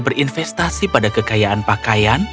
berinvestasi pada kekayaan pakaian